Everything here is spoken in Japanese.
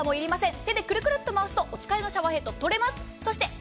手でクルクルと回すと、お使いのシャワーヘッド、とれます。